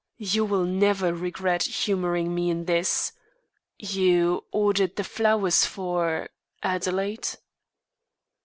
You will never regret humouring me in this. You ordered the flowers for Adelaide?"